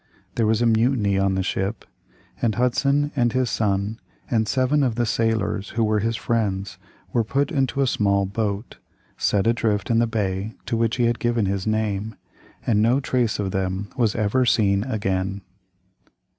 There was a mutiny on the ship, and Hudson and his son and seven of the sailors who were his friends were put into a small boat, set adrift in the bay to which he had given his name, and no trace of them was ever seen again.